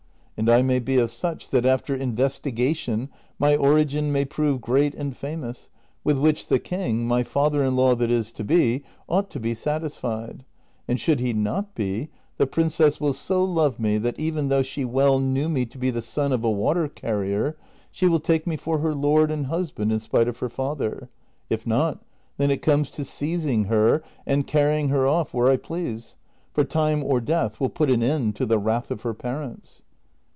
And T may be of snch that after in vestigation my origin may prove great and famous, with which the king, my father in law that is to be, ought to be satistied ; and should he not be, the princess will so love me that even though she well knew me to be the son of a water carrier, she will take me for her lord and husband in spite of her father ; if not, then it comes to seizing her and carrying her off where I please ; for time or death will put an end to the Avrath of her parents."